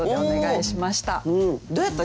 どうやった？